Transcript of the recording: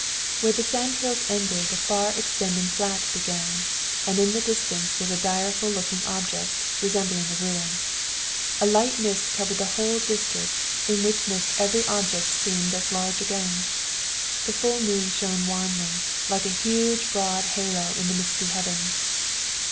"Where the sand hills ended, a far extending flat began, and in the distance was a direful looking object, resembling a ruin. A light mist covered the whole district, in which mist every object seemed as large again; the full moon shone wanly, like a huge broad halo in the misty heavens."